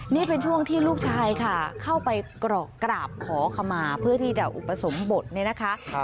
นี่เป็นช่วงที่ลูกชายค่ะเข้าไปกรอกกราบขอขมาเพื่อที่จะอุปสมบทเนี่ยนะคะ